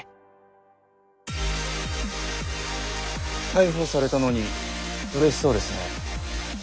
逮捕されたのにうれしそうですね。